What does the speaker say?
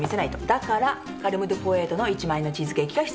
だからカルム・ドゥ・ポエートの１万円のチーズケーキが必要なの。